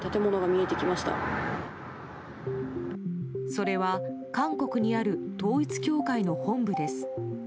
それは韓国にある統一教会の本部です。